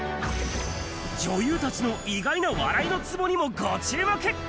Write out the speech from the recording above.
女優たちの意外な笑いのツボにもご注目。